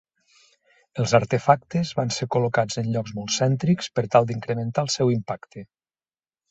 Els artefactes van ser col·locats en llocs molt cèntrics per tal d'incrementar el seu impacte.